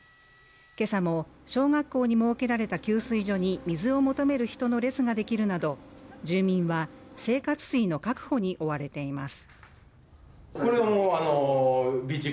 今朝も小学校に設けられた給水所に水を求める人の列ができるなど住民は生活水の確保に追われています